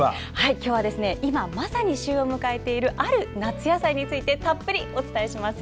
今日は、今まさに旬を迎えている夏野菜についてたっぷりお伝えしますよ。